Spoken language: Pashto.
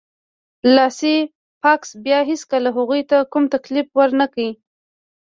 سلای فاکس بیا هیڅکله هغوی ته کوم تکلیف ورنکړ